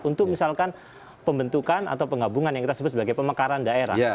untuk misalkan pembentukan atau penggabungan yang kita sebut sebagai pemekaran daerah